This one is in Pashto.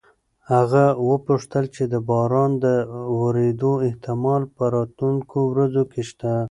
هغه وپوښتل چې د باران د ورېدو احتمال په راتلونکو ورځو کې شته؟